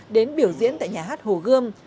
đến biểu diễn tại nhà hát hồ gươm